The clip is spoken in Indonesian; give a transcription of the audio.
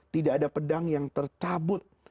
tidak ada pedang yang tercabut